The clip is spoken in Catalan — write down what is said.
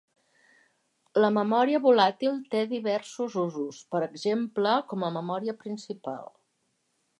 La memòria volàtil té diversos usos, per exemple, com a memòria principal.